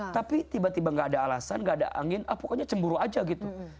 tapi tiba tiba gak ada alasan gak ada angin apa pokoknya cemburu aja gitu